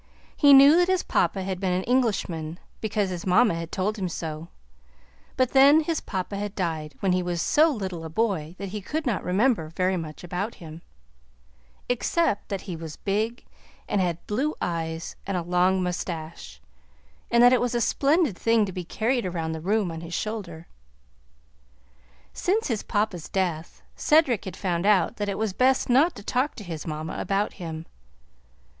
He knew that his papa had been an Englishman, because his mamma had told him so; but then his papa had died when he was so little a boy that he could not remember very much about him, except that he was big, and had blue eyes and a long mustache, and that it was a splendid thing to be carried around the room on his shoulder. Since his papa's death, Cedric had found out that it was best not to talk to his mamma about him.